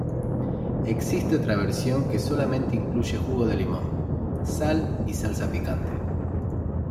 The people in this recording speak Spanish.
Existe otra versión que solamente incluye jugo de limón, sal y salsa picante.